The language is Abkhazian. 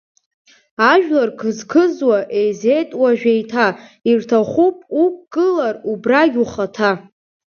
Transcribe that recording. Ажәлар қызықызуа еизеит уажә еиҭа, ирҭахуп уқәгылар убрагь ухаҭа…